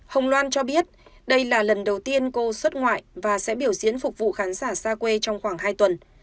hồng loan cho biết đây là lần đầu tiên cô xuất ngoại và sẽ biểu diễn phục vụ khán giả xa quê trong khoảng hai tuần